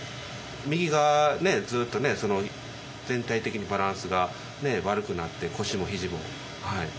右がずっと全体的にバランスが悪くなって腰も肘も。